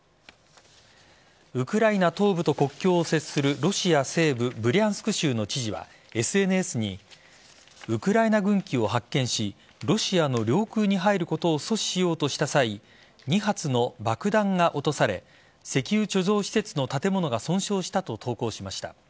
ウクライナ東部と国境を接するロシア西部ブリャンスク州の知事はＳＮＳにウクライナ軍機を発見しロシアの領空に入ることを阻止しようとした際２発の爆弾が落とされ石油貯蔵施設の建物が損傷したと投稿しました。